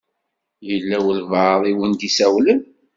Yella walebɛaḍ i wen-d-isawlen.